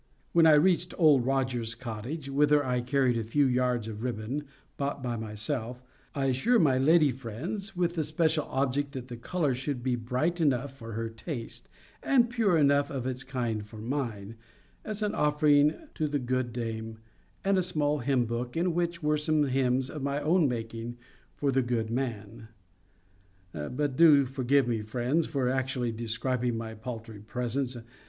When I reached Old Rogers's cottage, whither I carried a few yards of ribbon, bought by myself, I assure my lady friends, with the special object that the colour should be bright enough for her taste, and pure enough of its kind for mine, as an offering to the good dame, and a small hymn book, in which were some hymns of my own making, for the good man— But do forgive me, friends, for actually describing my paltry presents.